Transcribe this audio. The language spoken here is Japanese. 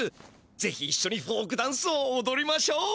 ぜひいっしょにフォークダンスをおどりましょう！